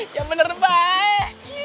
ya bener baik